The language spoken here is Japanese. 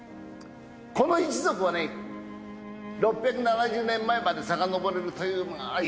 この一族はね６７０年前までさかのぼれるという家柄なんだ。